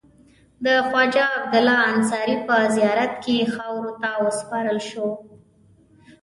د خواجه عبدالله انصاري په زیارت کې خاورو ته وسپارل شو.